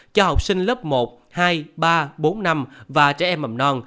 cho học sinh lớp một hai ba bốn năm và trẻ em mầm non